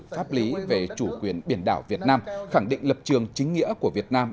pháp lý về chủ quyền biển đảo việt nam khẳng định lập trường chính nghĩa của việt nam